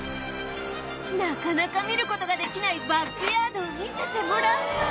なかなか見る事ができないバックヤードを見せてもらうと